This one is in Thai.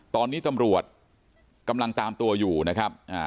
ตอนนี้ตำรวจกำลังตามตัวอยู่นะครับ